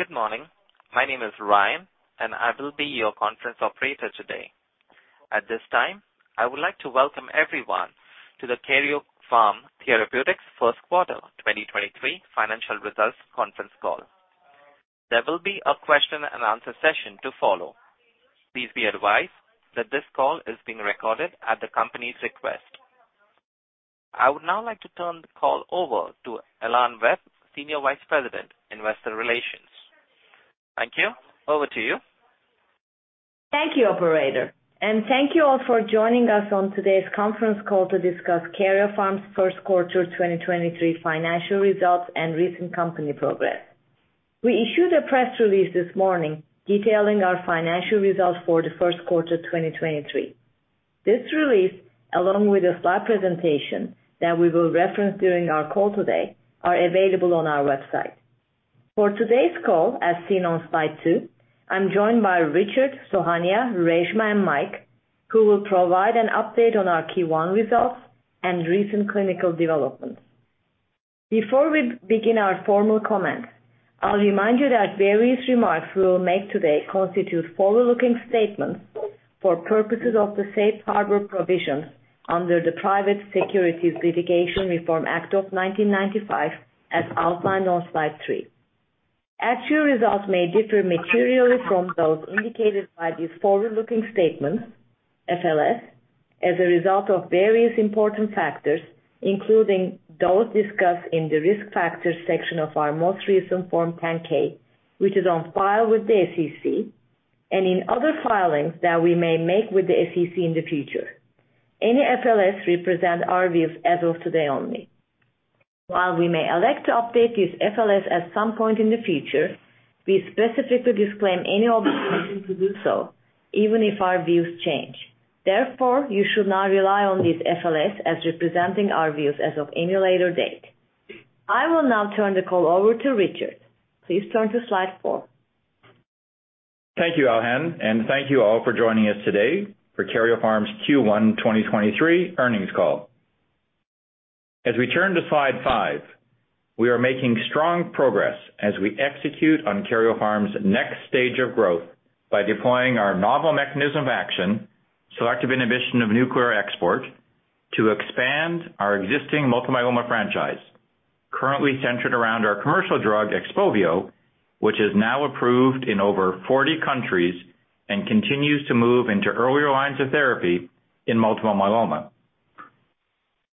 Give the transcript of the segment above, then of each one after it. Good morning. My name is Ryan. I will be your conference operator today. At this time, I would like to welcome everyone to the Karyopharm Therapeutics first quarter 2023 financial results conference call. There will be a question and answer session to follow. Please be advised that this call is being recorded at the company's request. I would now like to turn the call over to Elhan Webb, Senior Vice President, Investor Relations. Thank you. Over to you. Thank you, operator. Thank you all for joining us on today's conference call to discuss Karyopharm's first quarter 2023 financial results and recent company progress. We issued a press release this morning detailing our financial results for the first quarter 2023. This release, along with a slide presentation that we will reference during our call today, are available on our website. For today's call, as seen on slide two, I'm joined by Richard, Sohanya, Reshma, and Mike, who will provide an update on our Q1 results and recent clinical developments. Before we begin our formal comments, I'll remind you that various remarks we will make today constitute forward-looking statements for purposes of the safe harbor provisions under the Private Securities Litigation Reform Act of 1995, as outlined on slide three. Actual results may differ materially from those indicated by these forward-looking statements, FLS, as a result of various important factors, including those discussed in the Risk Factors section of our most recent Form 10-K, which is on file with the SEC, and in other filings that we may make with the SEC in the future. Any FLS represent our views as of today only. While we may elect to update these FLS at some point in the future, we specifically disclaim any obligation to do so, even if our views change. Therefore, you should not rely on these FLS as representing our views as of any later date. I will now turn the call over to Richard. Please turn to slide four. Thank you, Elhan, and thank you all for joining us today for Karyopharm's Q1 2023 earnings call. As we turn to slide five, we are making strong progress as we execute on Karyopharm's next stage of growth by deploying our novel mechanism of action, selective inhibition of nuclear export, to expand our existing multiple myeloma franchise, currently centered around our commercial drug, XPOVIO, which is now approved in over 40 countries and continues to move into earlier lines of therapy in multiple myeloma.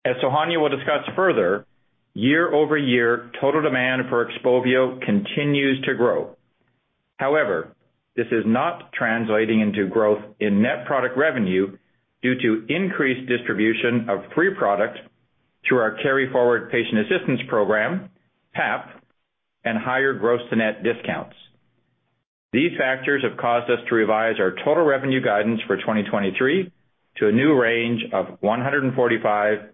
As Sohanya will discuss further, year-over-year total demand for XPOVIO continues to grow. However, this is not translating into growth in net product revenue due to increased distribution of free product through our KaryForward Patient Assistance Program, PAP, and higher gross to net discounts. These factors have caused us to revise our total revenue guidance for 2023 to a new range of $145 million-$160 million.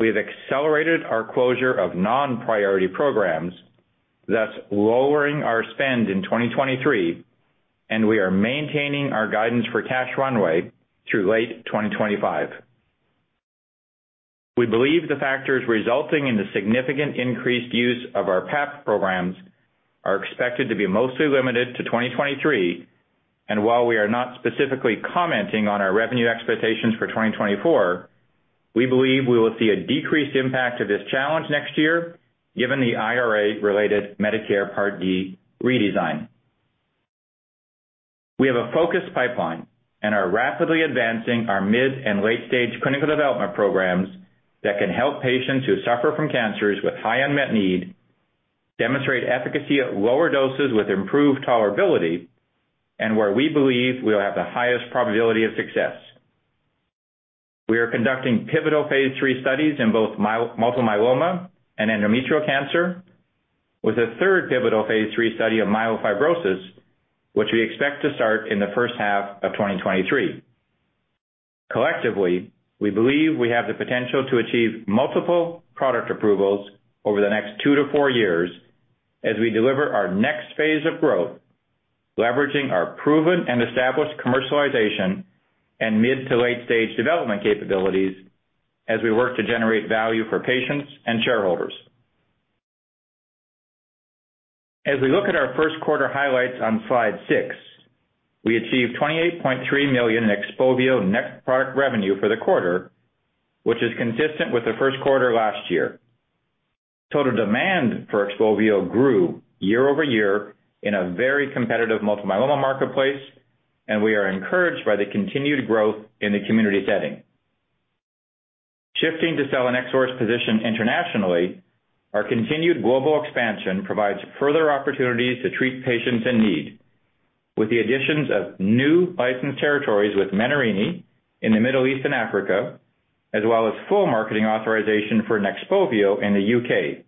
We have accelerated our closure of non-priority programs, thus lowering our spend in 2023, and we are maintaining our guidance for cash runway through late 2025. We believe the factors resulting in the significant increased use of our PFAP programs are expected to be mostly limited to 2023. While we are not specifically commenting on our revenue expectations for 2024, we believe we will see a decreased impact of this challenge next year, given the IRA-related Medicare Part D redesign. We have a focused pipeline and are rapidly advancing our mid- and late-stage clinical development programs that can help patients who suffer from cancers with high unmet need demonstrate efficacy at lower doses with improved tolerability and where we believe we'll have the highest probability of success. We are conducting pivotal Phase III studies in both multiple myeloma and endometrial cancer, with a third pivotal Phase III study of myelofibrosis, which we expect to start in the first half of 2023. Collectively, we believe we have the potential to achieve multiple product approvals over the next two to four years as we deliver our next phase of growth, leveraging our proven and established commercialization and mid- to late-stage development capabilities as we work to generate value for patients and shareholders. We look at our first quarter highlights on slide six, we achieved $28.3 million in XPOVIO next product revenue for the quarter, which is consistent with the first quarter last year. Total demand for XPOVIO grew year-over-year in a very competitive multiple myeloma marketplace. We are encouraged by the continued growth in the community setting. Shifting to Selinexor position internationally, our continued global expansion provides further opportunities to treat patients in need with the additions of new licensed territories with Menarini in the Middle East and Africa, as well as full marketing authorization for NEXPOVIO in the U.K.,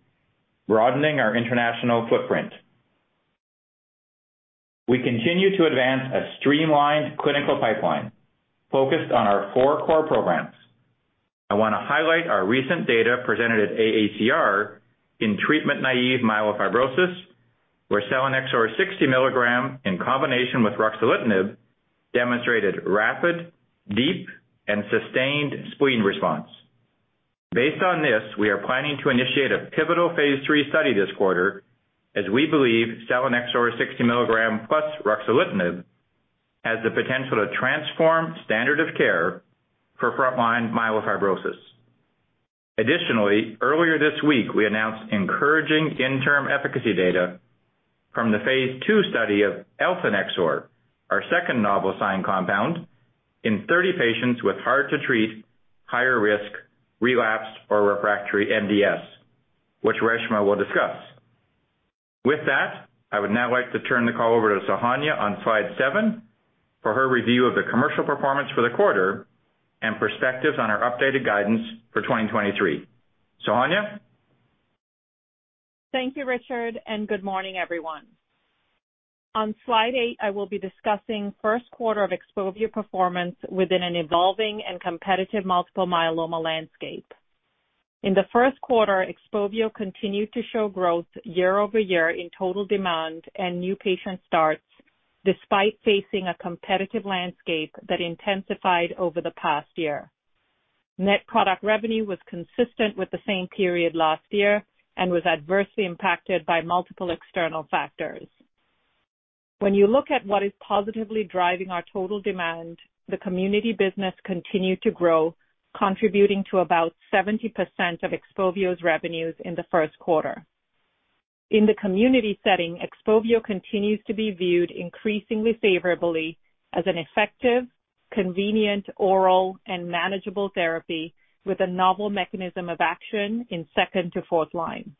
broadening our international footprint. We continue to advance a streamlined clinical pipeline focused on our four core programs. I wanna highlight our recent data presented at AACR in treatment-naive myelofibrosis, where Selinexor 60 milligram in combination with ruxolitinib demonstrated rapid, deep, and sustained spleen response. Based on this, we are planning to initiate a pivotal phase III study this quarter, as we believe Selinexor 60 mg plus ruxolitinib has the potential to transform standard of care for frontline myelofibrosis. Additionally, earlier this week, we announced encouraging interim efficacy data from the phase II study of eltanexor, our second novel SINE compound, in 30 patients with hard to treat higher risk relapsed or refractory MDS, which Reshma will discuss. With that, I would now like to turn the call over to Sohanya on slide seven for her review of the commercial performance for the quarter and perspectives on our updated guidance for 2023. Sohanya? Thank you, Richard. Good morning, everyone. On slide eight, I will be discussing first quarter of XPOVIO performance within an evolving and competitive multiple myeloma landscape. In the first quarter, XPOVIO continued to show growth year-over-year in total demand and new patient starts despite facing a competitive landscape that intensified over the past year. Net product revenue was consistent with the same period last year and was adversely impacted by multiple external factors. When you look at what is positively driving our total demand, the community business continued to grow, contributing to about 70% of XPOVIO's revenues in the first quarter. In the community setting, XPOVIO continues to be viewed increasingly favorably as an effective, convenient, oral and manageable therapy with a novel mechanism of action in second to fourth line.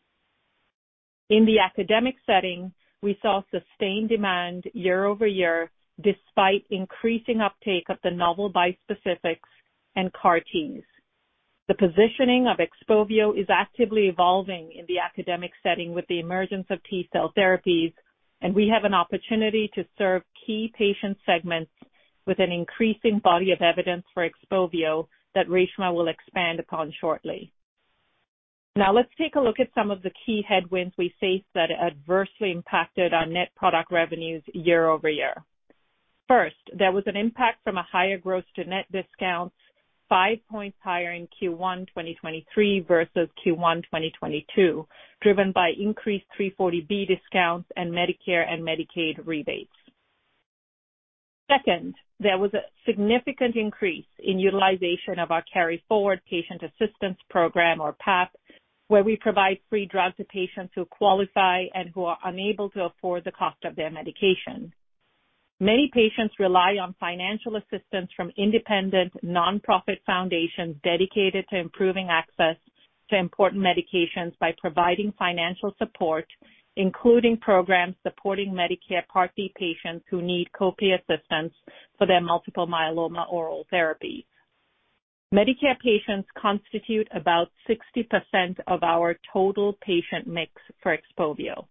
In the academic setting, we saw sustained demand year-over-year despite increasing uptake of the novel bispecifics and CAR Ts. The positioning of Xpovio is actively evolving in the academic study with the emergence of theotherapy. We have an opportunity to serve key patient segments with an increasing body of evidence for Xpovio that Reshma will expand upon shortly. Now, let's take a look at some of the key headwinds we faced that adversely impacted our net product revenues year-over-year. First, there was an impact from a higher gross to net discount, five points higher in Q1 2023 versus Q1 2022, driven by increased 340B discounts and Medicare and Medicaid rebates. Second, there was a significant increase in utilization of our KaryForward Patient Assistance Program or PAP, where we provide free drugs to patients who qualify and who are unable to afford the cost of their medication. Many patients rely on financial assistance from independent nonprofit foundations dedicated to improving access to important medications by providing financial support including programs supporting Medicare Part D patients who need copay assistance for their multiple myeloma oral therapy. Medicare patients constitute about 60% of our total patient mix for Xpovio.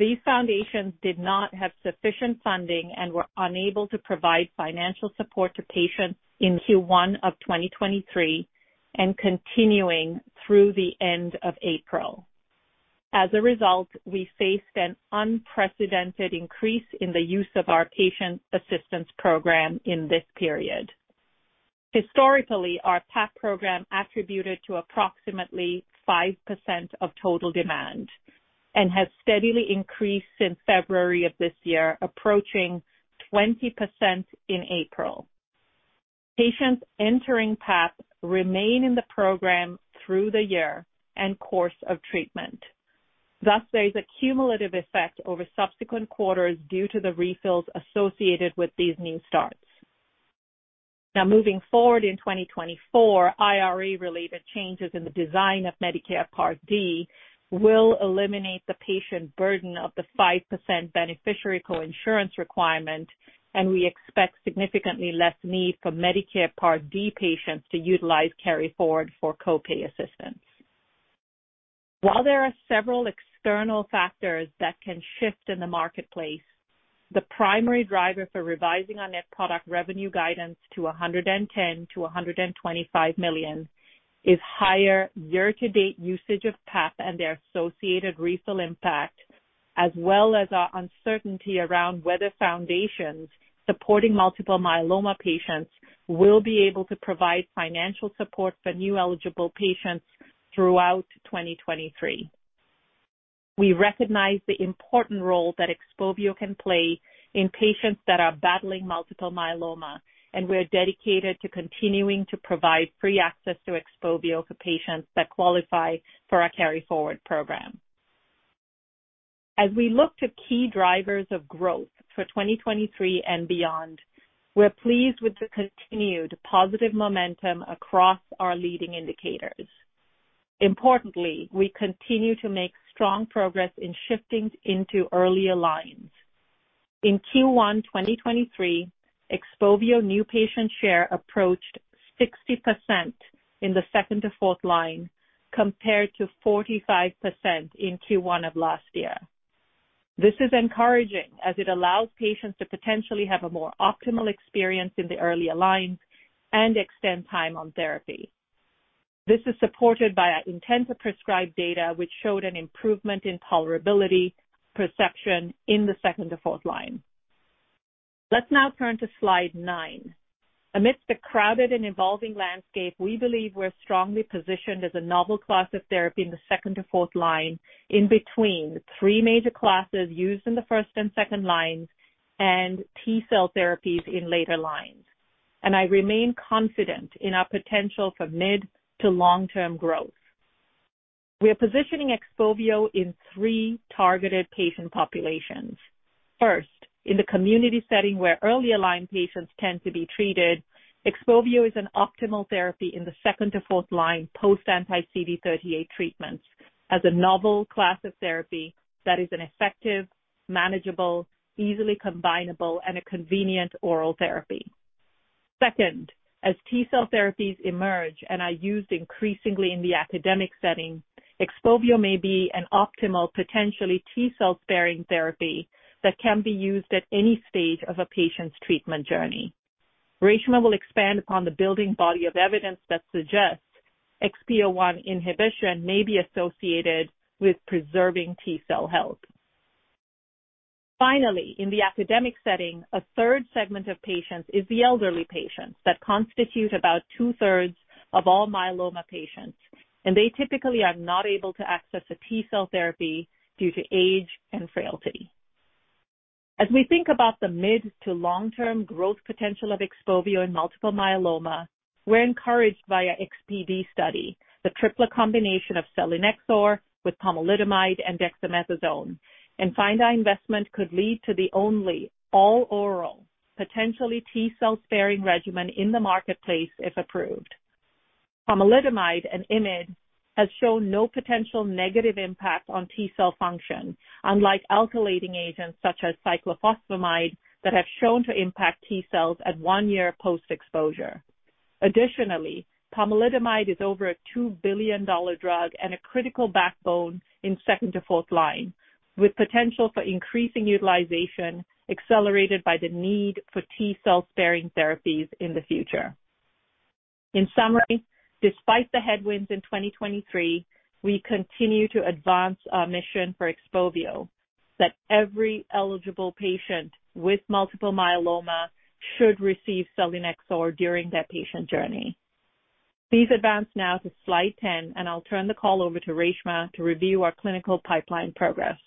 These foundations did not have sufficient funding and were unable to provide financial support to patients in Q1 of 2023 and continuing through the end of April. We faced an unprecedented increase in the use of our patient assistance program in this period. Historically, our PAP program attributed to approximately 5% of total demand and has steadily increased since February of this year, approaching 20% in April. Patients entering PAP remain in the program through the year and course of treatment. There is a cumulative effect over subsequent quarters due to the refills associated with these new starts. Moving forward in 2024, IRA related changes in the design of Medicare Part D will eliminate the patient burden of the 5% beneficiary coinsurance requirement, and we expect significantly less need for Medicare Part D patients to utilize carry forward for co-pay assistance. While there are several external factors that can shift in the marketplace, the primary driver for revising our net product revenue guidance to $110 million-$125 million is higher year-to-date usage of PAP and their associated refill impact, as well as our uncertainty around whether foundations supporting multiple myeloma patients will be able to provide financial support for new eligible patients throughout 2023. We recognize the important role that Xpovio can play in patients that are battling multiple myeloma. We are dedicated to continuing to provide free access to Xpovio for patients that qualify for our carry forward program. We look to key drivers of growth for 2023 and beyond. We're pleased with the continued positive momentum across our leading indicators. Importantly, we continue to make strong progress in shifting into earlier lines. In Q1 2023, XPOVIO new patient share approached 60% in the second to fourth line compared to 45% in Q1 of last year. This is encouraging as it allows patients to potentially have a more optimal experience in the early lines and extend time on therapy. This is supported by our intent to prescribe data which showed an improvement in tolerability perception in the second to fourth line. Let's now turn to slide nine. Amidst the crowded and evolving landscape, we believe we're strongly positioned as a novel class of therapy in the second to fourth line, in between the three major classes used in the first and second lines and T-cell therapies in later lines. I remain confident in our potential for mid to long-term growth. We are positioning XPOVIO in three targeted patient populations. First, in the community setting where early line patients tend to be treated, Xpovio is an optimal therapy in the 2nd to 4th line post-anti-CD38 treatments as a novel class of therapy that is an effective, manageable, easily combinable, and a convenient oral therapy. Second, as T-cell therapies emerge and are used increasingly in the academic setting, Xpovio may be an optimal, potentially T-cell sparing therapy that can be used at any stage of a patient's treatment journey. Reshma will expand on the building body of evidence that suggests XPO1 inhibition may be associated with preserving T-cell health. Finally, in the academic setting, a third segment of patients is the elderly patients that constitute about 2/3 of all myeloma patients, and they typically are not able to access a T-cell therapy due to age and frailty. As we think about the mid to long-term growth potential of XPOVIO in multiple myeloma, we're encouraged by our XPd study, the triple combination of selinexor with pomalidomide and dexamethasone, and find our investment could lead to the only all-oral, potentially T-cell sparing regimen in the marketplace if approved. Pomalidomide and IMiD has shown no potential negative impact on T-cell function, unlike alkylating agents such as cyclophosphamide that have shown to impact T-cells at one year post-exposure. Additionally, pomalidomide is over a $2 billion drug and a critical backbone in 2nd to 4th line, with potential for increasing utilization accelerated by the need for T-cell sparing therapies in the future. In summary, despite the headwinds in 2023, we continue to advance our mission for XPOVIO that every eligible patient with multiple myeloma should receive selinexor during their patient journey. Please advance now to slide 10, and I'll turn the call over to Reshma to review our clinical pipeline progress.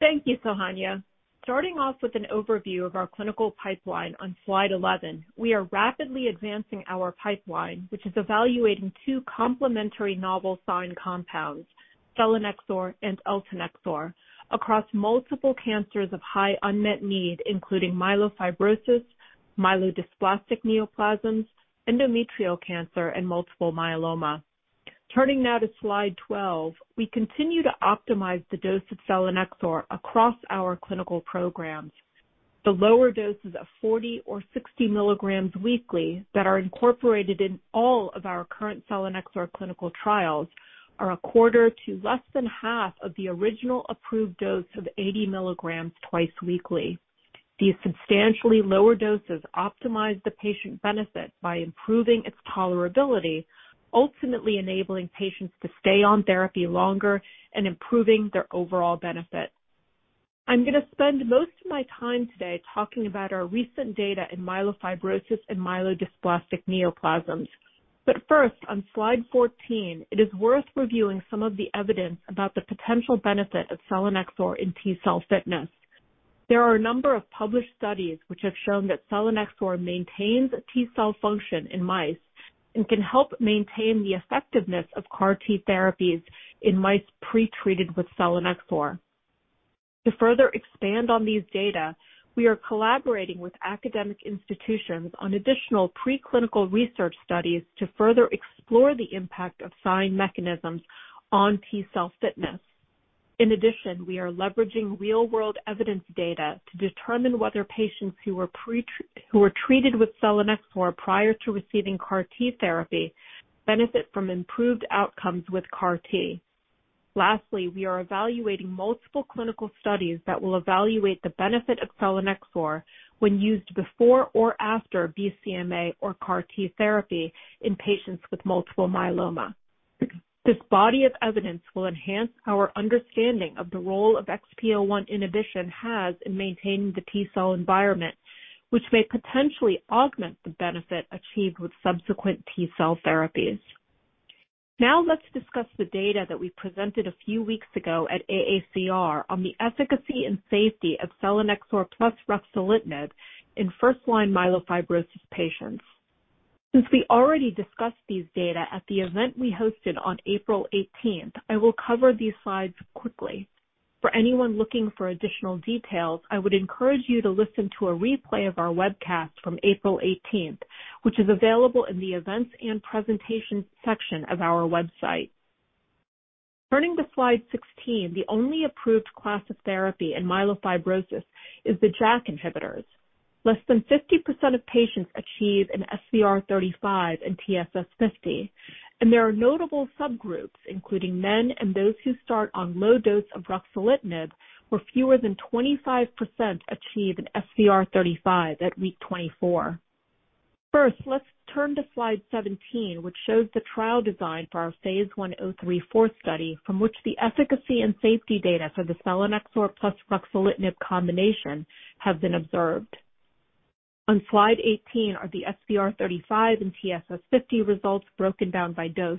Thank you, Sohanya. Starting off with an overview of our clinical pipeline on slide 11, we are rapidly advancing our pipeline, which is evaluating two complementary novel SINE compounds, selinexor and eltanexor, across multiple cancers of high unmet need, including myelofibrosis, myelodysplastic neoplasms, endometrial cancer, and multiple myeloma. Turning now to slide 12, we continue to optimize the dose of selinexor across our clinical programs. The lower doses of 40 or 60 milligrams weekly that are incorporated in all of our current selinexor clinical trials are a quarter to less than half of the original approved dose of 80 milligrams twice weekly. These substantially lower doses optimize the patient benefit by improving its tolerability, ultimately enabling patients to stay on therapy longer and improving their overall benefit. I'm going to spend most of my time today talking about our recent data in myelofibrosis and myelodysplastic neoplasms. First, on slide 14, it is worth reviewing some of the evidence about the potential benefit of selinexor in T-cell fitness. There are a number of published studies which have shown that selinexor maintains T-cell function in mice and can help maintain the effectiveness of CAR T therapies in mice pre-treated with selinexor. To further expand on these data, we are collaborating with academic institutions on additional preclinical research studies to further explore the impact of SINE mechanisms on T-cell fitness. In addition, we are leveraging real-world evidence data to determine whether patients who were treated with selinexor prior to receiving CAR T therapy benefit from improved outcomes with CAR T. Lastly, we are evaluating multiple clinical studies that will evaluate the benefit of selinexor when used before or after BCMA or CAR T therapy in patients with multiple myeloma. This body of evidence will enhance our understanding of the role of XPO1 inhibition has in maintaining the T-cell environment, which may potentially augment the benefit achieved with subsequent T-cell therapies. Now, let's discuss the data that we presented a few weeks ago at AACR on the efficacy and safety of selinexor plus ruxolitinib in first-line myelofibrosis patients. Since we already discussed these data at the event we hosted on April 18th, I will cover these slides quickly. For anyone looking for additional details, I would encourage you to listen to a replay of our webcast from April 18th, which is available in the Events and Presentation section of our website. Turning to slide 16, the only approved class of therapy in myelofibrosis is the JAK inhibitors. Less than 50% of patients achieve an SVR35 and TSS50. There are notable subgroups, including men and those who start on low dose of ruxolitinib, where fewer than 25% achieve an SVR35 at week 24. First, let's turn to slide 17, which shows the trial design for our phase 1034 study, from which the efficacy and safety data for the selinexor plus ruxolitinib combination have been observed. On slide 18 are the SVR35 and TSS50 results broken down by dose.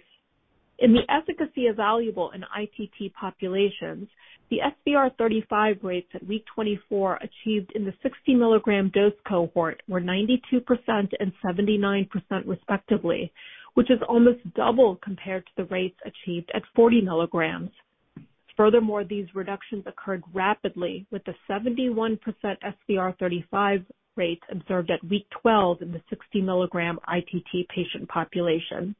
In the efficacy evaluable in ITT populations, the SVR35 rates at week 24 achieved in the 60 milligram dose cohort were 92% and 79% respectively, which is almost double compared to the rates achieved at 40 milligrams. Furthermore, these reductions occurred rapidly, with the 71% SVR35 rates observed at week 12 in the 60 milligram ITT patient population.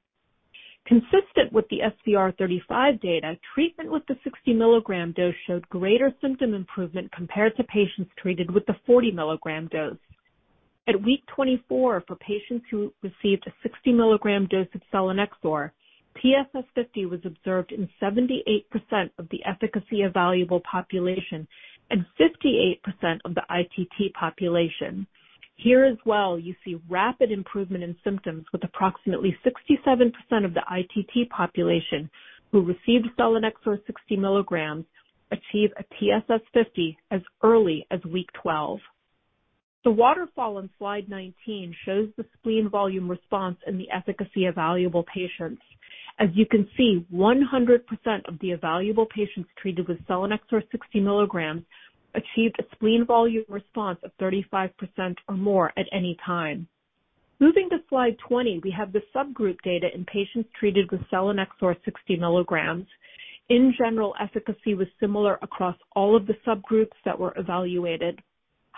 Consistent with the SVR35 data, treatment with the 60 milligram dose showed greater symptom improvement compared to patients treated with the 40 milligram dose. At week 24, for patients who received a 60 milligram dose of selinexor, TSS50 was observed in 78% of the efficacy evaluable population and 58% of the ITT population. Here as well, you see rapid improvement in symptoms with approximately 67% of the ITT population who received selinexor 60 milligrams achieve a TSS50 as early as week 12. The waterfall on slide 19 shows the spleen volume response in the efficacy evaluable patients. As you can see, 100% of the evaluable patients treated with selinexor 60 milligrams achieved a spleen volume response of 35% or more at any time. Moving to slide 20, we have the subgroup data in patients treated with selinexor 60 milligrams. In general, efficacy was similar across all of the subgroups that were evaluated.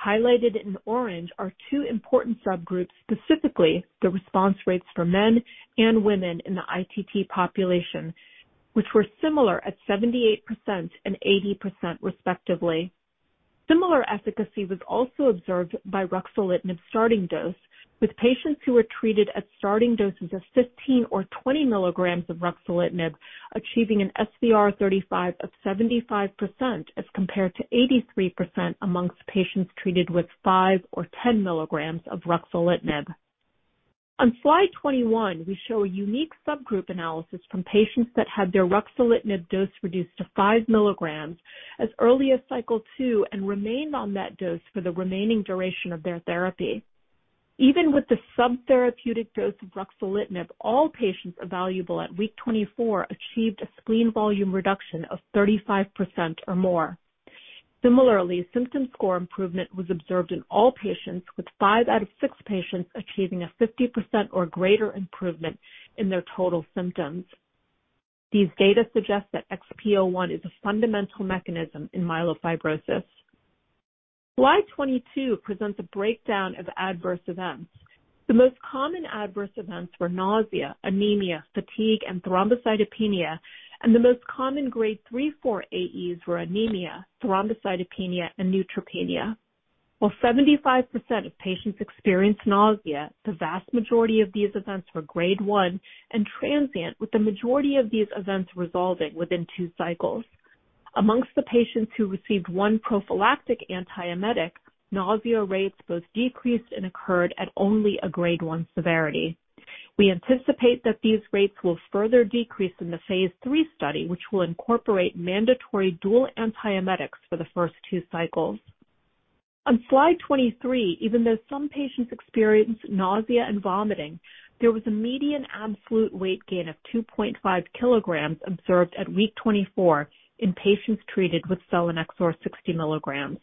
Highlighted in orange are two important subgroups, specifically the response rates for men and women in the ITT population, which were similar at 78% and 80% respectively. Similar efficacy was also observed by ruxolitinib starting dose with patients who were treated at starting doses of 15 or 20 milligrams of ruxolitinib, achieving an SVR35 of 75% as compared to 83% amongst patients treated with five or 10 milligrams of ruxolitinib. On slide 21, we show a unique subgroup analysis from patients that had their ruxolitinib dose reduced to 5 milligrams as early as cycle two and remained on that dose for the remaining duration of their therapy. Even with the subtherapeutic dose of ruxolitinib, all patients evaluable at week 24 achieved a spleen volume reduction of 35% or more. Similarly, symptom score improvement was observed in all patients with five out of six patients achieving a 50% or greater improvement in their total symptoms. These data suggest that XPO1 is a fundamental mechanism in myelofibrosis. Slide 22 presents a breakdown of adverse events. The most common adverse events were nausea, anemia, fatigue, and thrombocytopenia. The most common grade 3-4 AEs were anemia, thrombocytopenia, and neutropenia. While 75% of patients experienced nausea, the vast majority of these events were grade 1 and transient, with the majority of these events resolving within two cycles. Amongst the patients who received one prophylactic antiemetic, nausea rates both decreased and occurred at only a grade one severity. We anticipate that these rates will further decrease in the phase III study, which will incorporate mandatory dual antiemetics for the first two cycles. On slide 23, even though some patients experienced nausea and vomiting, there was a median absolute weight gain of 2.5 kilograms observed at week 24 in patients treated with selinexor 60 milligrams.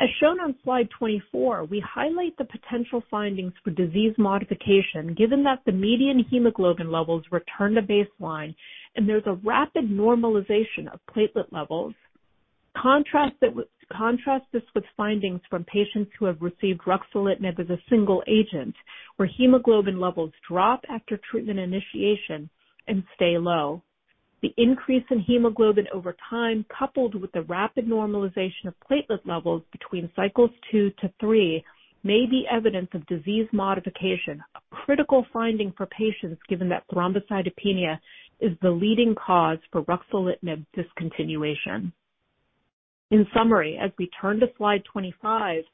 As shown on slide 24, we highlight the potential findings for disease modification, given that the median hemoglobin levels return to baseline and there's a rapid normalization of platelet levels. Contrast this with findings from patients who have received ruxolitinib as a single agent, where hemoglobin levels drop after treatment initiation and stay low. The increase in hemoglobin over time, coupled with the rapid normalization of platelet levels between cycles two to three, may be evidence of disease modification, a critical finding for patients given that thrombocytopenia is the leading cause for ruxolitinib discontinuation. In summary, as we turn to slide 25,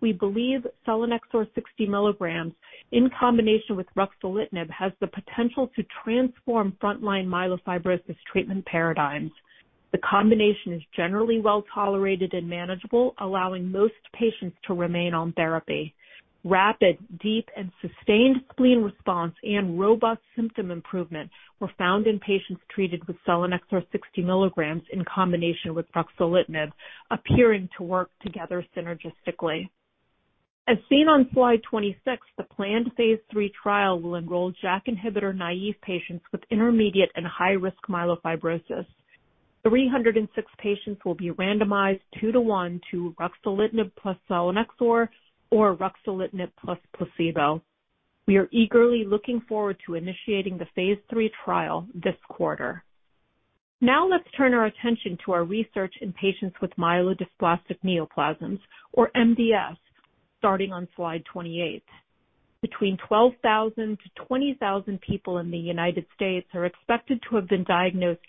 we believe selinexor 60 milligrams in combination with ruxolitinib has the potential to transform frontline myelofibrosis treatment paradigms. The combination is generally well-tolerated and manageable, allowing most patients to remain on therapy. Rapid, deep, and sustained spleen response and robust symptom improvement were found in patients treated with selinexor 60 milligrams in combination with ruxolitinib, appearing to work together synergistically. As seen on slide 26, the planned phase III trial will enroll JAK inhibitor-naive patients with intermediate and high risk myelofibrosis. 306 patients will be randomized two to one to ruxolitinib plus selinexor or ruxolitinib plus placebo. We are eagerly looking forward to initiating the phase III trial this quarter. Let's turn our attention to our research in patients with myelodysplastic neoplasms, or MDS, starting on slide 28. Between 12,000-20,000 people in the United States are expected to have been diagnosed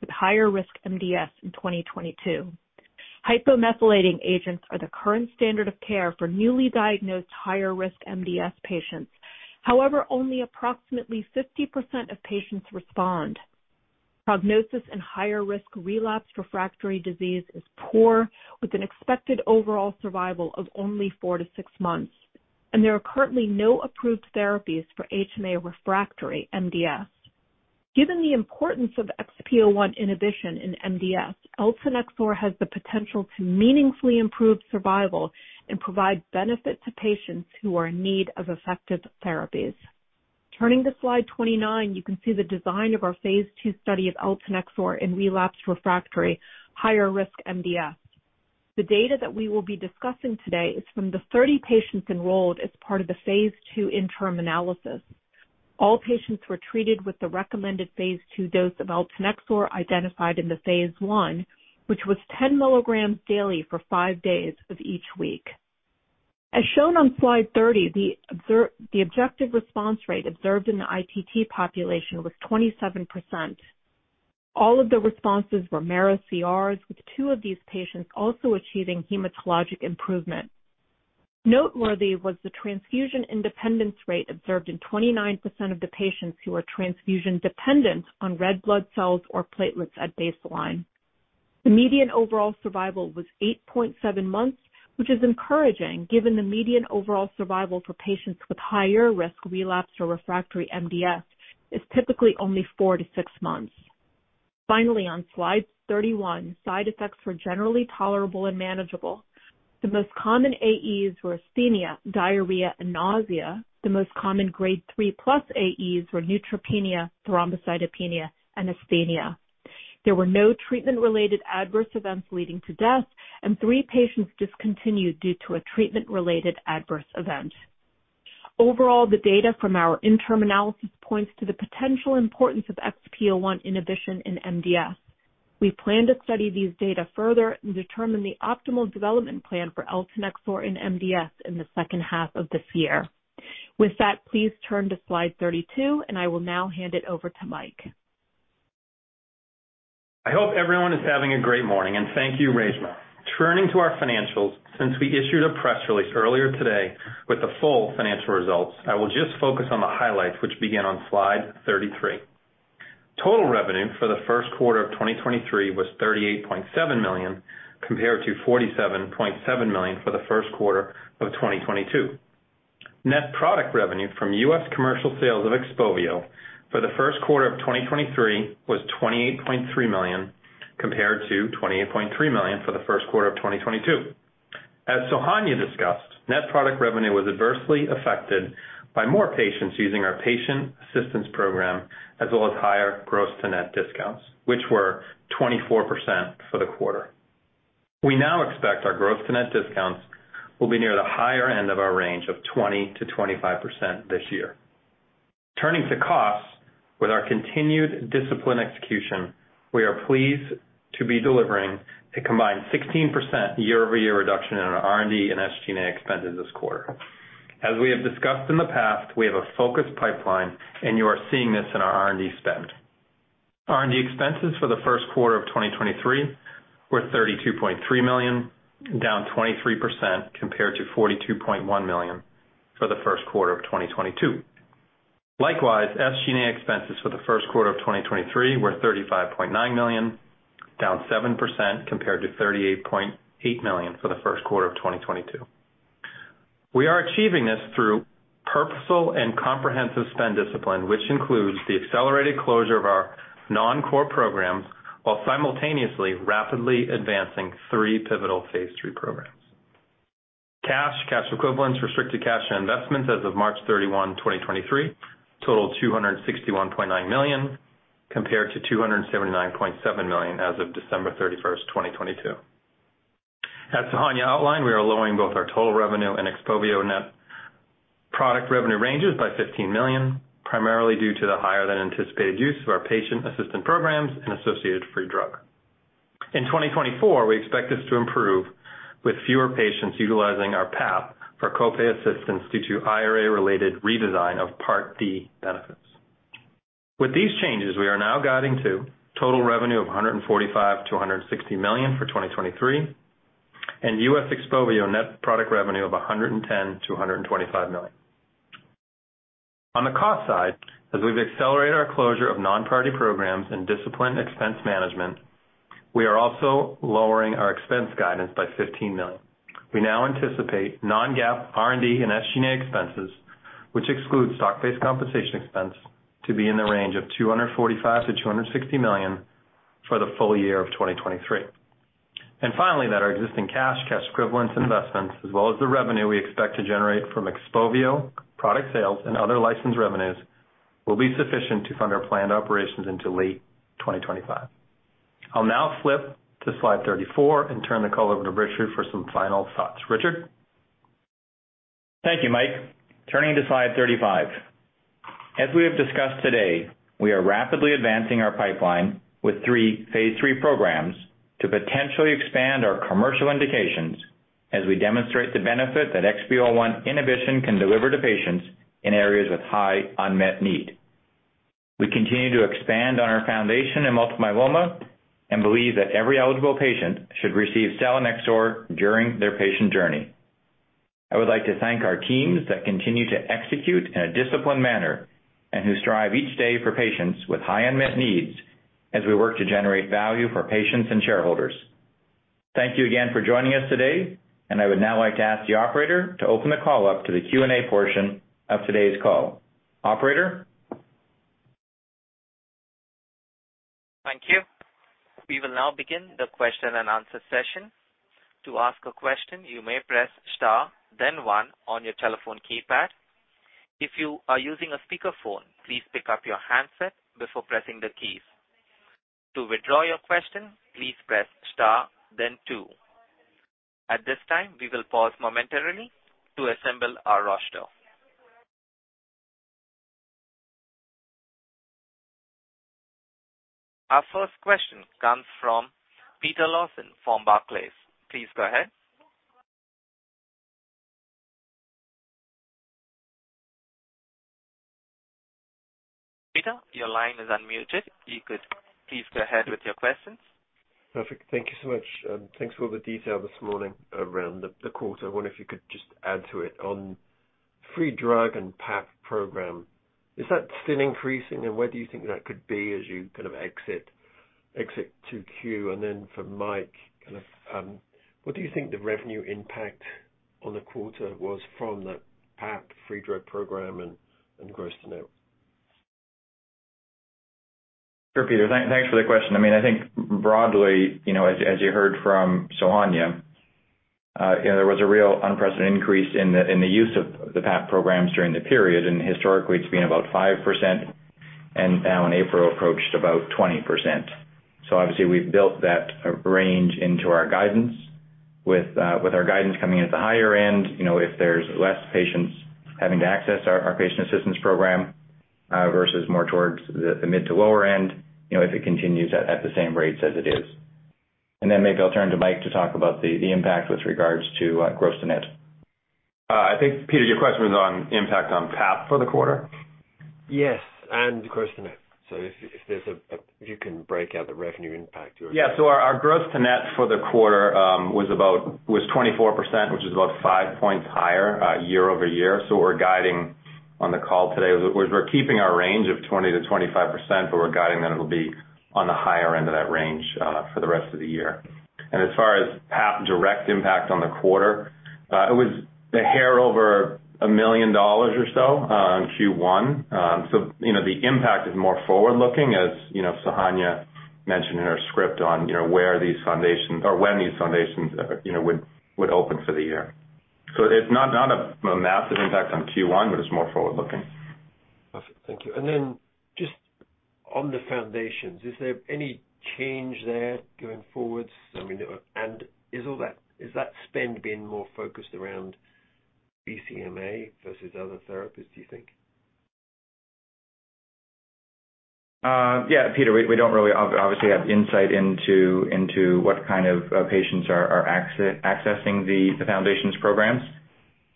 with higher-risk MDS in 2022. Hypomethylating agents are the current standard of care for newly diagnosed higher-risk MDS patients. Only approximately 50% of patients respond. Prognosis and higher-risk relapse/refractory disease is poor, with an expected overall survival of only four to six months. There are currently no approved therapies for HMA refractory MDS. Given the importance of XPO1 inhibition in MDS, eltanexor has the potential to meaningfully improve survival and provide benefit to patients who are in need of effective therapies. Turning to slide 29, you can see the design of our phase II study of eltanexor in relapsed/refractory higher-risk MDS. The data that we will be discussing today is from the 30 patients enrolled as part of the phase II interim analysis. All patients were treated with the recommended phase II dose of eltanexor identified in the phase I, which was 10 milligrams daily for five days of each week. As shown on slide 30, the objective response rate observed in the ITT population was 27%. All of the responses were mCRs, with two of these patients also achieving hematologic improvement. Noteworthy was the transfusion independence rate observed in 29% of the patients who were transfusion-dependent on red blood cells or platelets at baseline. The median overall survival was 8.7 months, which is encouraging given the median overall survival for patients with higher risk relapse or refractory MDS is typically only four-six months. Finally, on slide 31, side effects were generally tolerable and manageable. The most common AEs were asthenia, diarrhea, and nausea. The most common grade 3+ AEs were neutropenia, thrombocytopenia, and asthenia. There were no treatment-related adverse events leading to death, and three patients discontinued due to a treatment-related adverse event. Overall, the data from our interim analysis points to the potential importance of XPO1 inhibition in MDS. We plan to study these data further and determine the optimal development plan for eltanexor in MDS in the second half of this year. With that, please turn to slide 32, and I will now hand it over to Mike. I hope everyone is having a great morning, and thank you, Reshma. Turning to our financials, since we issued a press release earlier today with the full financial results, I will just focus on the highlights which begin on slide 33. Total revenue for the first quarter of 2023 was $38.7 million, compared to $47.7 million for the first quarter of 2022. Net product revenue from U.S. commercial sales of XPOVIO for the first quarter of 2023 was $28.3 million, compared to $28.3 million for the first quarter of 2022. As Sohanya discussed, net product revenue was adversely affected by more patients using our patient assistance program as well as higher gross to net discounts, which were 24% for the quarter. We now expect our gross to net discounts will be near the higher end of our range of 20%-25% this year. Turning to costs, with our continued discipline execution, we are pleased to be delivering a combined 16% year-over-year reduction in our R&D and SG&A expenses this quarter. As we have discussed in the past, we have a focused pipeline and you are seeing this in our R&D spend. R&D expenses for the first quarter of 2023 were $32.3 million, down 23% compared to $42.1 million for the first quarter of 2022. Likewise, SG&A expenses for the first quarter of 2023 were $35.9 million, down 7% compared to $38.8 million for the first quarter of 2022. We are achieving this through purposeful and comprehensive spend discipline, which includes the accelerated closure of our non-core programs while simultaneously rapidly advancing three pivotal phase III programs. Cash, cash equivalents, restricted cash and investments as of March 31, 2023 totaled $261.9 million, compared to $279.7 million as of December 31, 2022. As Sohanya outlined, we are lowering both our total revenue and XPOVIO net product revenue ranges by $15 million, primarily due to the higher than anticipated use of our patient assistance programs and associated free drug. In 2024, we expect this to improve with fewer patients utilizing our PFAP for co-pay assistance due to IRA-related redesign of Part D benefits. With these changes, we are now guiding to total revenue of $145 million-$160 million for 2023 and U.S. XPOVIO net product revenue of $110 million-$125 million. On the cost side, as we've accelerated our closure of non-party programs and disciplined expense management, we are also lowering our expense guidance by $15 million. We now anticipate non-GAAP R&D and SG&A expenses, which excludes stock-based compensation expense to be in the range of $245 million-$260 million for the full year of 2023. Finally, that our existing cash equivalents, and investments as well as the revenue we expect to generate from XPOVIO product sales and other licensed revenues will be sufficient to fund our planned operations into late 2025. I'll now flip to slide 34 and turn the call over to Richard for some final thoughts. Richard? Thank you, Mike. Turning to slide 35. As we have discussed today, we are rapidly advancing our pipeline with three phase III programs to potentially expand our commercial indications as we demonstrate the benefit that XPO1 inhibition can deliver to patients in areas with high unmet need. We continue to expand on our foundation in multiple myeloma and believe that every eligible patient should receive selinexor during their patient journey. I would like to thank our teams that continue to execute in a disciplined manner and who strive each day for patients with high unmet needs as we work to generate value for patients and shareholders. Thank you again for joining us today. I would now like to ask the operator to open the call up to the Q&A portion of today's call. Operator? Thank you. We will now begin the question and answer session. To ask a question, you may press star then one on your telephone keypad. If you are using a speakerphone, please pick up your handset before pressing the keys. To withdraw your question, please press star then two. At this time, we will pause momentarily to assemble our roster. Our first question comes from Peter Lawson from Barclays. Please go ahead. Peter, your line is unmuted. You could please go ahead with your questions. Perfect. Thank you so much. Thanks for all the detail this morning around the quarter. I wonder if you could just add to it. On free drug and PAP program, is that still increasing, and where do you think that could be as you kind of exit 2Q? For Mike, kind of, what do you think the revenue impact on the quarter was from that PAP free drug program and gross to net? Sure, Peter. Thanks for the question. I mean, I think broadly, you know, as you heard from Sohanya, you know, there was a real unprecedented increase in the use of the PAP programs during the period. Historically it's been about 5%, now in April approached about 20%. Obviously, we've built that range into our guidance with our guidance coming at the higher end, you know, if there's less patients having to access our patient assistance program versus more towards the mid to lower end, you know, if it continues at the same rates as it is. Maybe I'll turn to Mike to talk about the impact with regards to gross to net. I think, Peter, your question was on impact on PAP for the quarter? Yes, gross to net. If there's if you can break out the revenue impact or- Yeah. Our gross to net for the quarter was 24%, which is about five points higher year-over-year. We're guiding on the call today. We're keeping our range of 20%-25%, but we're guiding that it'll be on the higher end of that range for the rest of the year. As far as PAP direct impact on the quarter, it was a hair over $1 million or so in Q1. The impact is more forward-looking, as, you know, Sohanya mentioned in her script on, you know, where these foundations or when these foundations would open for the year. It's not a massive impact on Q1, but it's more forward-looking. Perfect. Thank you. Then just on the foundations, is there any change there going forward? I mean, is that spend being more focused around BCMA versus other therapies, do you think? Yeah, Peter, we don't really obviously have insight into what kind of patients are accessing the foundations programs.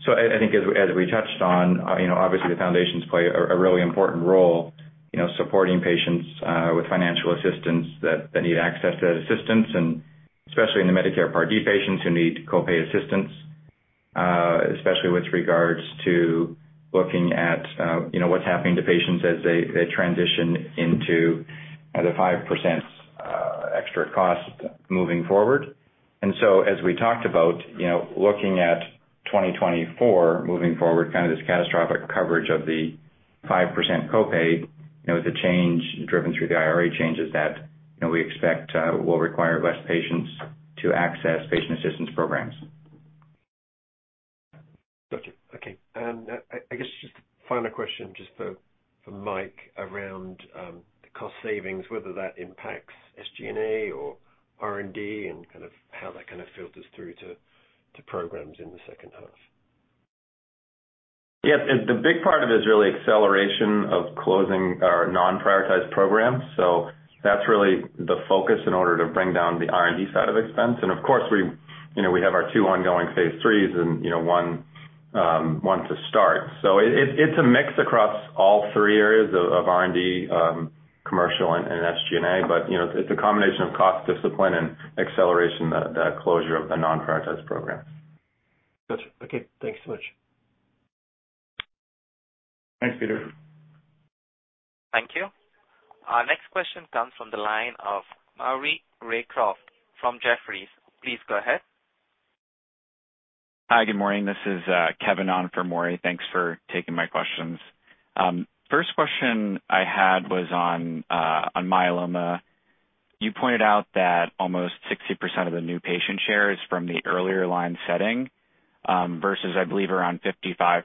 I think as we touched on, you know, obviously the foundations play a really important role, you know, supporting patients with financial assistance that need access to that assistance, and especially in the Medicare Part D patients who need co-pay assistance, especially with regards to looking at, you know, what's happening to patients as they transition into the 5% extra cost moving forward. As we talked about, you know, looking at 2024 moving forward, kind of this catastrophic coverage of the 5% co-pay, you know, with the change driven through the IRA changes that, you know, we expect will require less patients to access patient assistance programs. Gotcha. Okay. I guess just a final question just for Mike around the cost savings, whether that impacts SG&A or R&D and kind of how that kind of filters through to programs in the second half? Yes. The big part of it is really acceleration of closing our non-prioritized programs. That's really the focus in order to bring down the R&D side of expense. Of course, we, you know, we have our two ongoing phase IIIs and, you know, one to start. It's a mix across all three areas of R&D, commercial and SG&A. You know, it's a combination of cost discipline and acceleration, the closure of the non-prioritized programs. Gotcha. Okay. Thanks so much. Thanks, Peter. Thank you. Our next question comes from the line of Maury Raycroft from Jefferies. Please go ahead. Hi. Good morning. This is Kevin on for Maury. Thanks for taking my questions. First question I had was on myeloma. You pointed out that almost 60% of the new patient share is from the earlier line setting, versus I believe around 55%,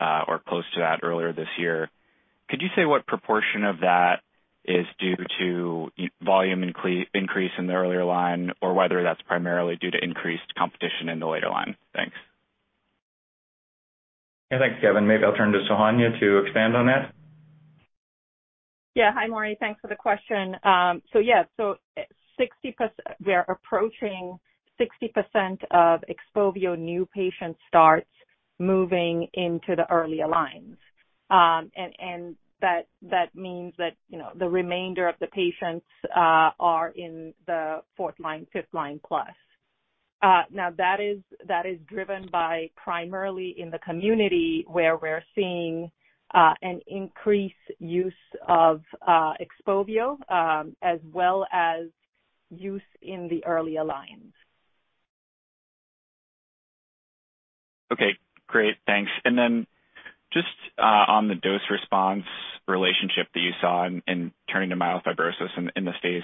or close to that earlier this year. Could you say what proportion of that is due to volume increase in the earlier line or whether that's primarily due to increased competition in the later line? Thanks. Yeah. Thanks, Kevin. Maybe I'll turn to Sohanya to expand on that. Yeah. Hi, Maury. Thanks for the question. Yeah, we're approaching 60% of XPOVIO new patient starts moving into the earlier lines. That means that, you know, the remainder of the patients are in the fourth line, fiveth line plus. That is driven by primarily in the community where we're seeing an increased use of XPOVIO as well as use in the earlier lines. Okay, great. Thanks. On the dose response relationship that you saw in turning to myelofibrosis in the phase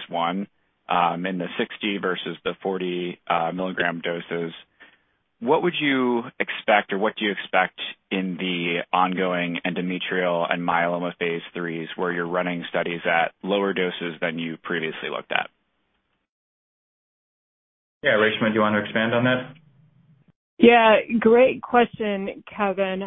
I, in the 60 versus the 40 milligram doses, what would you expect or what do you expect in the ongoing endometrial and myeloma phase IIIs where you're running studies at lower doses than you previously looked at? Yeah. Reshma, do you want to expand on that? Yeah, great question, Kevin.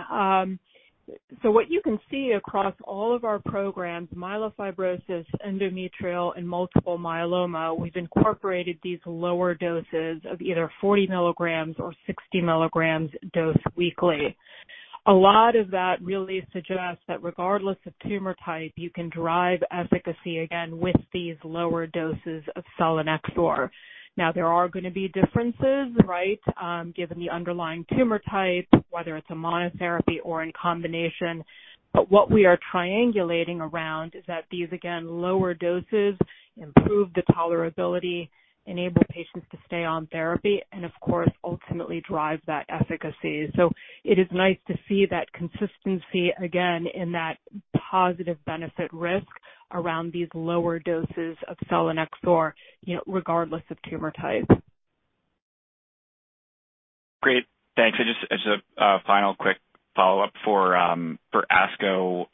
What you can see across all of our programs, myelofibrosis, endometrial, and multiple myeloma, we've incorporated these lower doses of either 40 milligrams or 60 milligrams dose weekly. A lot of that really suggests that regardless of tumor type, you can drive efficacy again with these lower doses of selinexor. Now there are going to be differences, right, given the underlying tumor type, whether it's a monotherapy or in combination. What we are triangulating around is that these, again, lower doses improve the tolerability, enable patients to stay on therapy, and of course, ultimately drive that efficacy. It is nice to see that consistency again in that positive benefit risk around these lower doses of selinexor, you know, regardless of tumor type. Great. Thanks. Just a final quick follow-up for ASCO,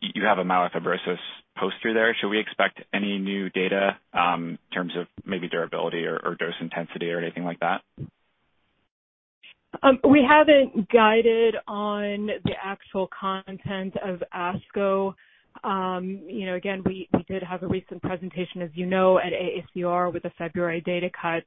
you have a myelofibrosis poster there. Should we expect any new data in terms of maybe durability or dose intensity or anything like that? We haven't guided on the actual content of ASCO. You know, again, we did have a recent presentation, as you know, at AACR with the February data cut.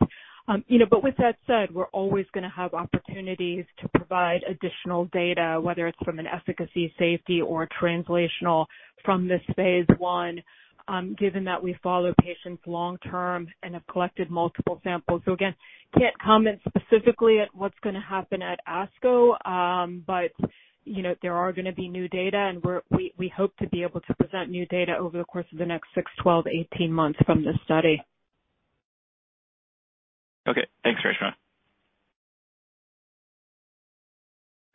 You know, but with that said, we're always going to have opportunities to provide additional data, whether it's from an efficacy, safety, or translational from this phase I, given that we follow patients long term and have collected multiple samples. Again, can't comment specifically at what's gonna happen at ASCO. You know, there are gonna be new data, and we hope to be able to present new data over the course of the next six, 12, 18 months from this study. Okay. Thanks, Reshma.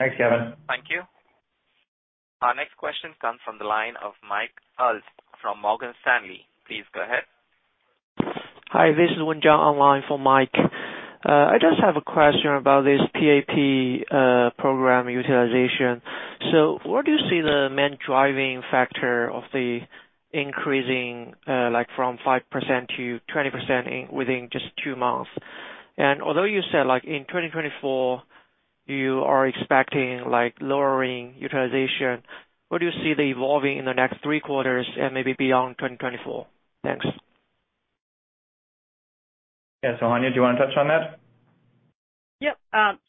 Thanks, Kevin. Thank you. Our next question comes from the line of Michael Ulz from Morgan Stanley. Please go ahead. Hi, this is Wenchang on the line for Mike. I just have a question about this PAP program utilization. What do you see the main driving factor of the increasing, like, from 5% to 20% within just two months? Although you said, like, in 2024 you are expecting, like, lowering utilization, what do you see the evolving in the next three quarters and maybe beyond 2024? Thanks. Yeah. Sohanya, do you want to touch on that? Yep.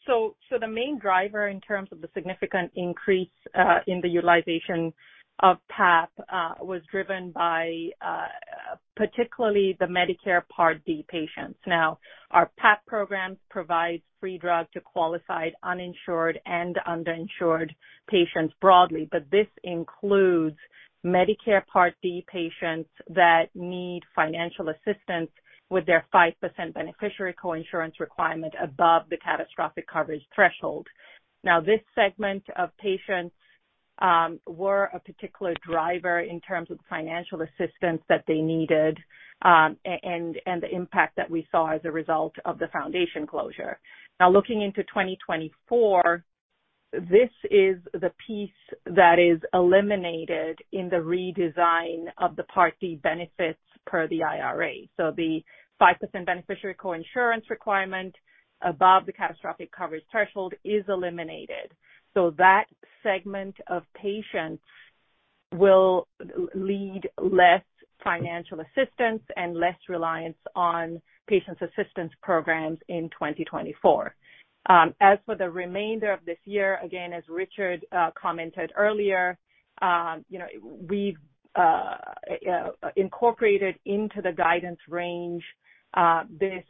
So the main driver in terms of the significant increase in the utilization of PAP was driven by particularly the Medicare Part D patients. Our PAP program provides free drug to qualified uninsured and underinsured patients broadly, but this includes Medicare Part D patients that need financial assistance with their 5% beneficiary co-insurance requirement above the catastrophic coverage threshold. This segment of patients were a particular driver in terms of financial assistance that they needed and the impact that we saw as a result of the foundation closure. Looking into 2024, this is the piece that is eliminated in the redesign of the Part D benefits per the IRA. The 5% beneficiary co-insurance requirement above the catastrophic coverage threshold is eliminated. That segment of patients will lead less financial assistance and less reliance on patients' assistance programs in 2024. As for the remainder of this year, again, as Richard commented earlier, you know, we've incorporated into the guidance range this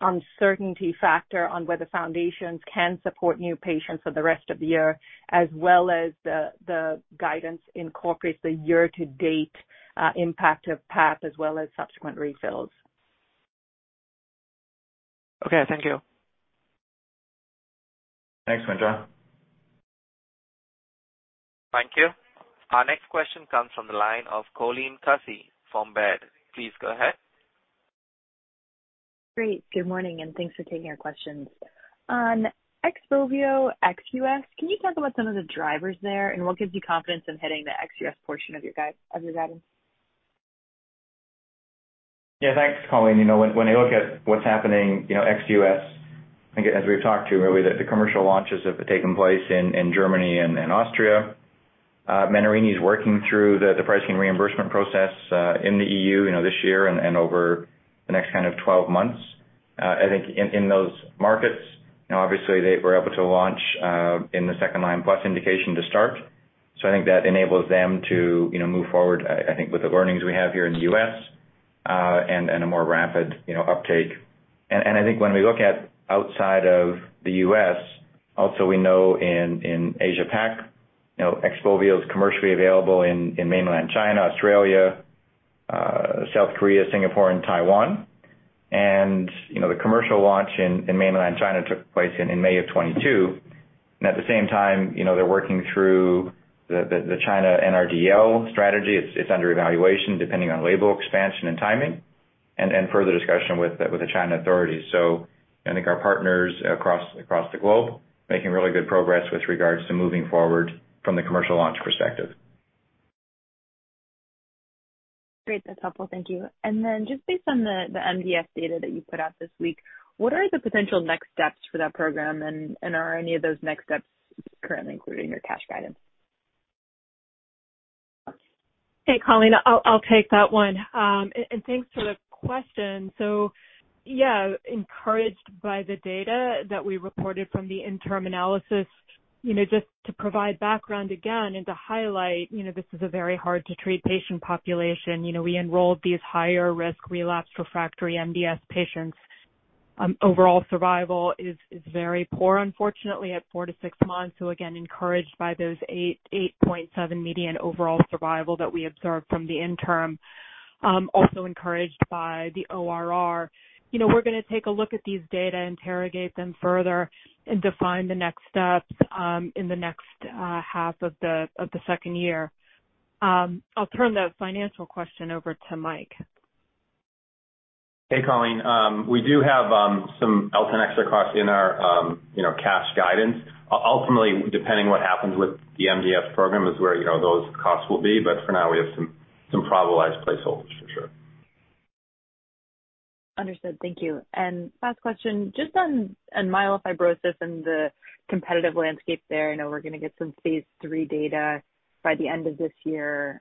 uncertainty factor on whether foundations can support new patients for the rest of the year as well as the guidance incorporates the year-to-date impact of PAP as well as subsequent refills Okay. Thank you. Thanks, Wenchang. Thank you. Our next question comes from the line of Colleen Casey from Baird. Please go ahead. Great. Good morning. Thanks for taking our questions. On XPOVIO ex-US, can you talk about some of the drivers there and what gives you confidence in hitting the ex-US portion of your guidance? Yeah. Thanks, Colleen. You know, when I look at what's happening, you know, ex-US, I think as we've talked to, really the commercial launches have taken place in Germany and Austria. Menarini's working through the pricing reimbursement process in the EU, you know, this year and over the next kind of 12 months. I think in those markets, you know, obviously they were able to launch in the second-line plus indication to start. I think that enables them to, you know, move forward, I think, with the learnings we have here in the US, and a more rapid, you know, uptake. I think when we look at outside of the U.S., also we know in Asia Pac, you know, XPOVIO is commercially available in Mainland China, Australia, South Korea, Singapore and Taiwan. You know, the commercial launch in Mainland China took place in May of 2022. At the same time, you know, they're working through the China NRDL strategy. It's under evaluation depending on label expansion and timing and further discussion with the China authorities. I think our partners across the globe making really good progress with regards to moving forward from the commercial launch perspective. Great. That's helpful. Thank you. Then just based on the MDS data that you put out this week, what are the potential next steps for that program and are any of those next steps currently included in your cash guidance? Hey, Colleen. I'll take that one. Thanks for the question. Yeah, encouraged by the data that we reported from the interim analysis. You know, just to provide background again and to highlight, you know, this is a very hard-to-treat patient population. You know, we enrolled these higher risk relapsed refractory MDS patients. Overall survival is very poor, unfortunately at four to six months. Again, encouraged by those 8.7 median overall survival that we observed from the interim. Also encouraged by the ORR. You know, we're gonna take a look at these data, interrogate them further and define the next steps in the next half of the second year. I'll turn the financial question over to Mike. Hey, Colleen. We do have some eltanexor costs in our, you know, cash guidance. Ultimately, depending what happens with the MDS program is where, you know, those costs will be. For now we have some probabilized placeholders for sure. Understood. Thank you. Last question, just on myelofibrosis and the competitive landscape there. I know we're gonna get some phase III data by the end of this year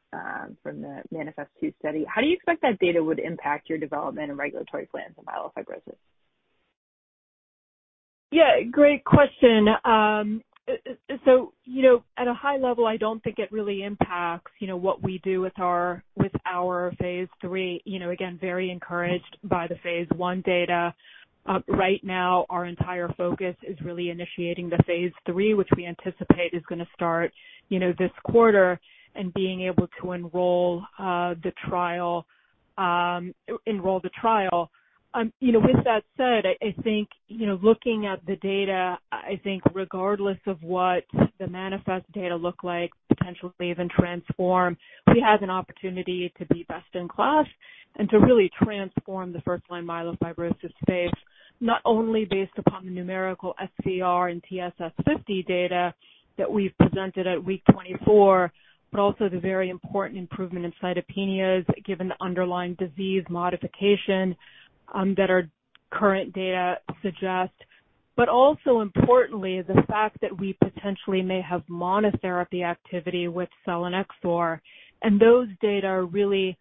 from the MANIFEST-II study. How do you expect that data would impact your development and regulatory plans in myelofibrosis? Yeah, great question. You know, at a high level, I don't think it really impacts, you know, what we do with our, with our phase III. You know, again, very encouraged by the phase I data. Right now our entire focus is really initiating the phase III, which we anticipate is gonna start, you know, this quarter and being able to enroll the trial. You know, with that said, I think, you know, looking at the data, I think regardless of what the MANIFEST data look like, potential save and transform, we have an opportunity to be best in class and to really transform the first line myelofibrosis space. Not only based upon the numerical SVR and TSS50 data that we've presented at week 24, but also the very important improvement in cytopenias given the underlying disease modification that our current data suggest. Also importantly, the fact that we potentially may have monotherapy activity with Selinexor. Those data are really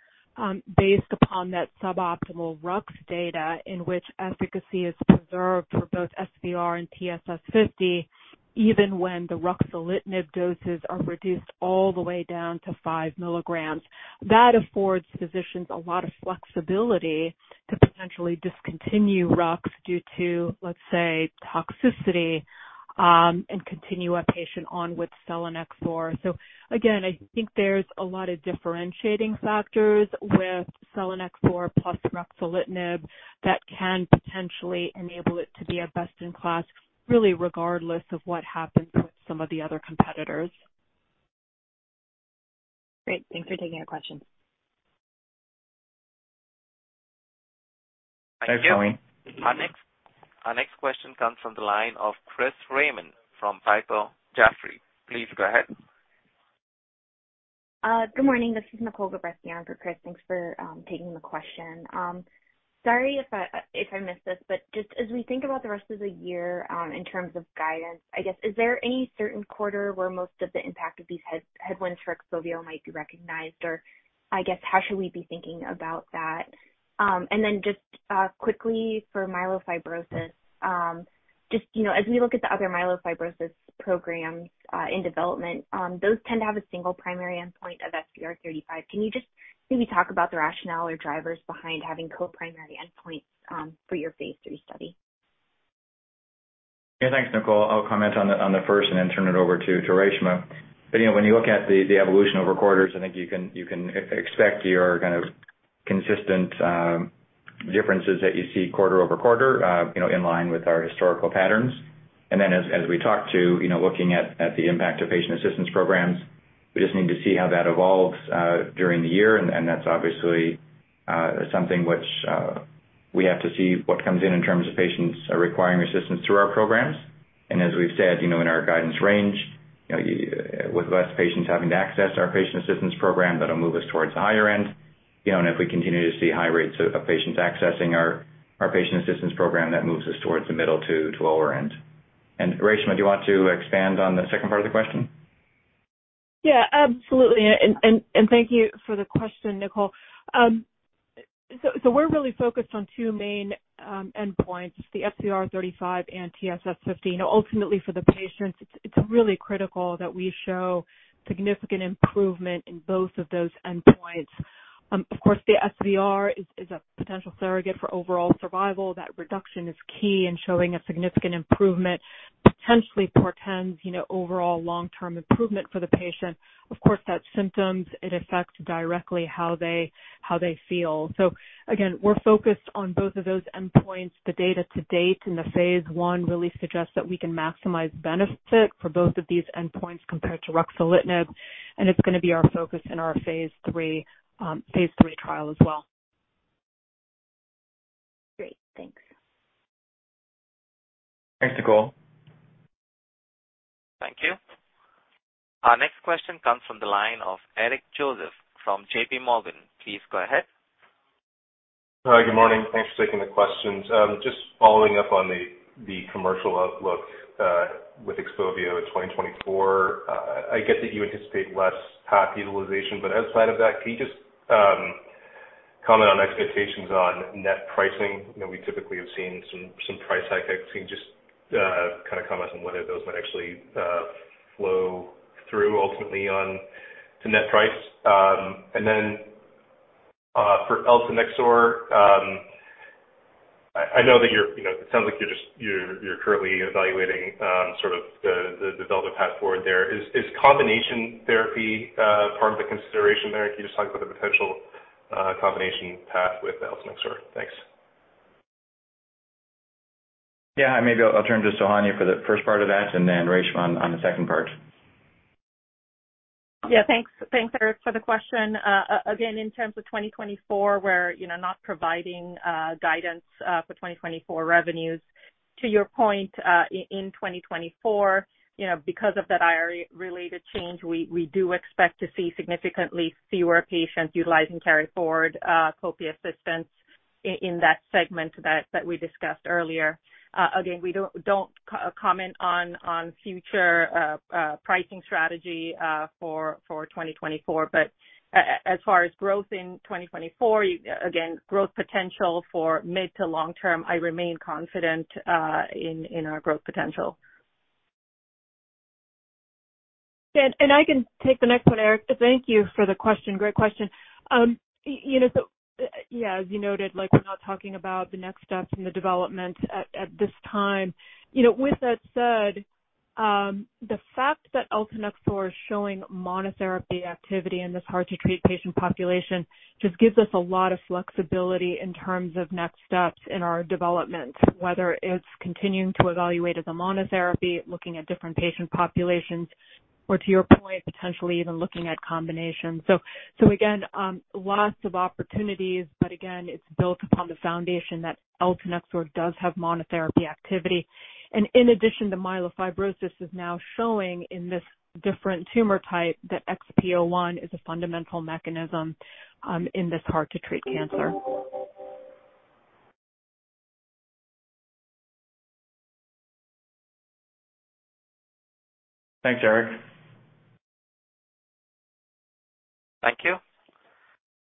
based upon that suboptimal Rux data in which efficacy is preserved for both SVR and TSS50, even when the Ruxolitinib doses are reduced all the way down to 5 milligrams. That affords physicians a lot of flexibility to potentially discontinue Rux due to, let's say, toxicity, and continue a patient on with Selinexor. Again, I think there's a lot of differentiating factors with Selinexor plus Ruxolitinib that can potentially enable it to be a best in class, really regardless of what happens with some of the other competitors. Great. Thanks for taking the questions. Thanks, Colleen. Thank you. Our next question comes from the line of Chris Raymond from Piper Jaffray. Please go ahead. Good morning. This is Nicole Gabreski on for Chris. Thanks for taking the question. Sorry if I missed this, but just as we think about the rest of the year, in terms of guidance, I guess, is there any certain quarter where most of the impact of these headwinds for XPOVIO might be recognized? Or I guess, how should we be thinking about that? And then just quickly for myelofibrosis. Just, you know, as we look at the other myelofibrosis programs in development, those tend to have a single primary endpoint of SVR35. Can you just maybe talk about the rationale or drivers behind having co-primary endpoints for your phase III study? Yeah. Thanks, Nicole. I'll comment on the first and then turn it over to Reshma. You know, when you look at the evolution over quarters, I think you can expect your kind of consistent differences that you see quarter-over-quarter, you know, in line with our historical patterns. As we talked to, you know, looking at the impact of patient assistance programs. We just need to see how that evolves during the year, and that's obviously something which we have to see what comes in in terms of patients requiring assistance through our programs. As we've said, you know, in our guidance range, you know, with less patients having to access our patient assistance program, that'll move us towards the higher end, you know. If we continue to see high rates of patients accessing our Patient Assistance Program, that moves us towards the middle to lower end. Reshma, do you want to expand on the second part of the question? Yeah, absolutely. Thank you for the question, Nicole. We're really focused on two main endpoints, the SVR35 and TSS 50. You know, ultimately for the patients, it's really critical that we show significant improvement in both of those endpoints. Of course, the SVR is a potential surrogate for overall survival. That reduction is key in showing a significant improvement, potentially portends, you know, overall long-term improvement for the patient. Of course, that's symptoms. It affects directly how they feel. Again, we're focused on both of those endpoints. The data to date in the phase I really suggests that we can maximize benefit for both of these endpoints compared to ruxolitinib. It's gonna be our focus in our phase III trial as well. Great. Thanks. Thanks, Nicole. Thank you. Our next question comes from the line of Eric Joseph from JPMorgan. Please go ahead. Thanks for taking the questions. Just following up on the commercial outlook with XPOVIO in 2024. I get that you anticipate less COP utilization, but outside of that, can you just comment on expectations on net pricing? You know, we typically have seen some price hike. Can you just kind of comment on whether those might actually flow through ultimately on to net price? Then for eltanexor, I know that you're, you know, it sounds like you're just, you're currently evaluating sort of the development path forward there. Is combination therapy part of the consideration there? Can you just talk about the potential combination path with eltanexor? Thanks. Maybe I'll turn to Sohanya for the first part of that and then Reshma on the second part. Yeah. Thanks, Eric, for the question. Again, in terms of 2024, we're, you know, not providing guidance for 2024 revenues. To your point, in 2024, you know, because of that IRA-related change, we do expect to see significantly fewer patients utilizing KaryForward PFAP assistance in that segment that we discussed earlier. Again, we don't comment on future pricing strategy for 2024. As far as growth in 2024, again, growth potential for mid to long term, I remain confident in our growth potential. I can take the next one, Eric. Thank you for the question. Great question. You know, so, yeah, as you noted, like we're not talking about the next steps in the development at this time. You know, with that said, the fact that eltanexor is showing monotherapy activity in this hard to treat patient population just gives us a lot of flexibility in terms of next steps in our development, whether it's continuing to evaluate as a monotherapy, looking at different patient populations, or to your point, potentially even looking at combinations. Again, lots of opportunities, but again, it's built upon the foundation that eltanexor does have monotherapy activity. In addition to myelofibrosis, is now showing in this different tumor type that XPO1 is a fundamental mechanism in this hard to treat cancer. Thanks, Eric. Thank you.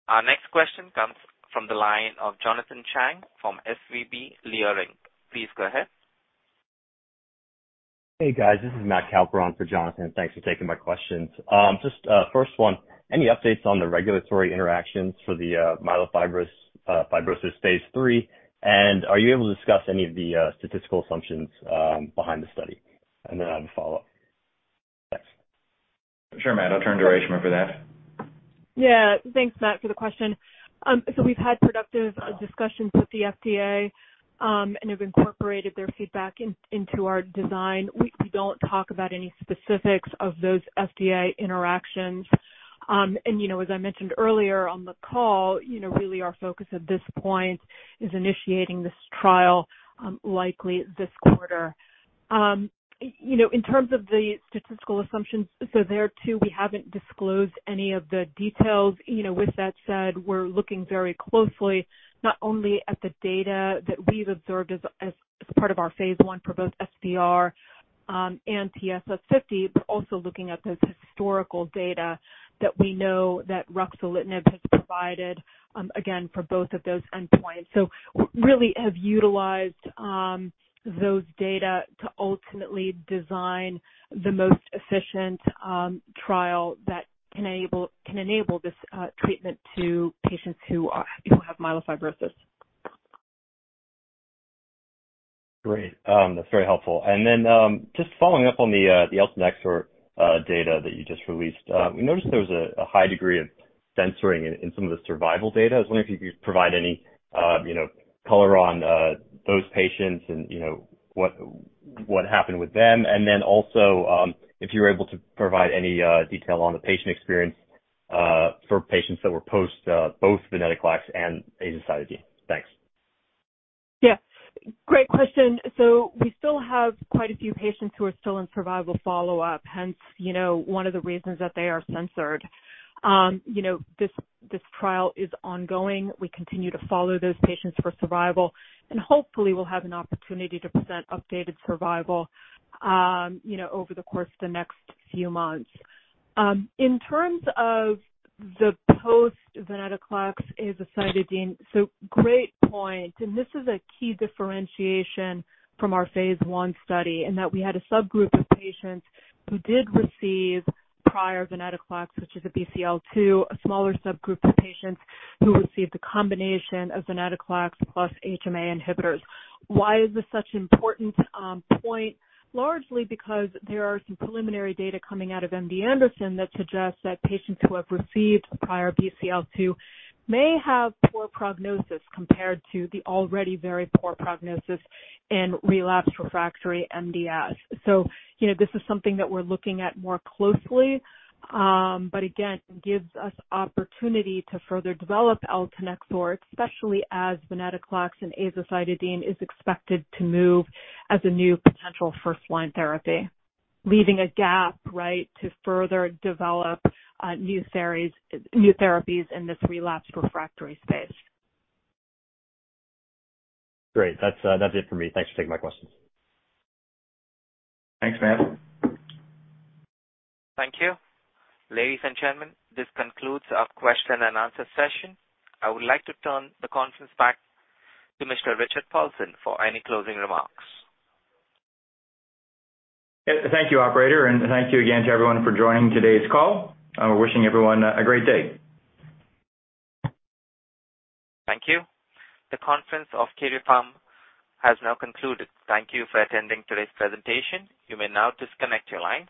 Our next question comes from the line of Jonathan Chang from SVB Leerink. Please go ahead. Hey, guys. This is Matt Cowper on for Jonathan. Thanks for taking my questions. just, first one, any updates on the regulatory interactions for the myelofibrosis phase III? Are you able to discuss any of the statistical assumptions, behind the study? Then I have a follow-up. Thanks. Sure, Matt. I'll turn to Reshma for that. Yeah. Thanks, Matt, for the question. We've had productive discussions with the FDA and have incorporated their feedback into our design. We don't talk about any specifics of those FDA interactions. You know, as I mentioned earlier on the call, you know, really our focus at this point is initiating this trial likely this quarter. You know, in terms of the statistical assumptions, there too, we haven't disclosed any of the details. You know, with that said, we're looking very closely not only at the data that we've observed as part of our phase I for both SVR and TSS50, but also looking at the historical data that we know that ruxolitinib has provided again, for both of those endpoints. We really have utilized, those data to ultimately design the most efficient, trial that can enable this, treatment to patients who have myelofibrosis. Great. That's very helpful. Just following up on the eltanexor data that you just released, we noticed there was a high degree of censoring in some of the survival data. I was wondering if you could provide any, you know, color on those patients and you know, what happened with them. Also, if you're able to provide any detail on the patient experience for patients that were post both venetoclax and azacitidine. Thanks. Yeah, great question. We still have quite a few patients who are still in survival follow-up, hence, you know, one of the reasons that they are censored. You know, this trial is ongoing. We continue to follow those patients for survival, and hopefully we'll have an opportunity to present updated survival, you know, over the course of the next few months. In terms of the post-venetoclax azacitidine, great point, and this is a key differentiation from our phase I study in that we had a subgroup of patients who did receive prior venetoclax, which is a BCL-2, a smaller subgroup of patients who received a combination of venetoclax plus HMA inhibitors. Why is this such important point? Largely because there are some preliminary data coming out of MD Anderson that suggests that patients who have received prior BCL-2 may have poor prognosis compared to the already very poor prognosis in relapsed refractory MDS. You know, this is something that we're looking at more closely, but again, gives us opportunity to further develop eltanexor, especially as venetoclax and azacitidine is expected to move as a new potential first-line therapy, leaving a gap, right, to further develop new therapies in this relapsed refractory space. Great. That's, that's it for me. Thanks for taking my questions. Thanks, Matt. Thank you. Ladies and gentlemen, this concludes our question and answer session. I would like to turn the conference back to Mr. Richard Paulson for any closing remarks. Thank you, operator. Thank you again to everyone for joining today's call. We're wishing everyone a great day. Thank you. The conference of Karyopharm has now concluded. Thank you for attending today's presentation. You may now disconnect your lines.